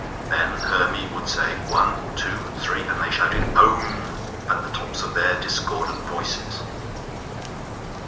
Then Hermy would say One, Two, Three, and they shouted "Om" at the tops of their discordant voices.